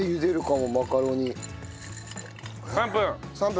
３分。